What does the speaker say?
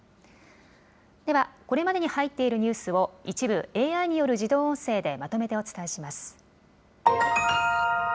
では、これまでに入っているニュースを、一部ＡＩによる自動音声でまとめてお伝えします。